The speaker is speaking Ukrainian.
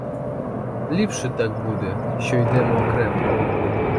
Ліпше так буде, що йдемо окремо.